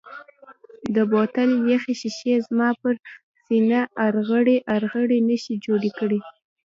د بوتل یخې شیشې زما پر سینه ارغړۍ ارغړۍ نښې جوړې کړې.